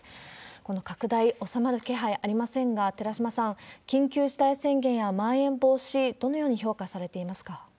この拡大、収まる気配ありませんが、寺嶋さん、緊急事態宣言やまん延防止、どのように評価されていますか。